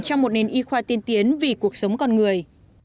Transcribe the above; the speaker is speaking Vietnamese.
trong một nền y khoa tiên tiến vì cuộc sống con người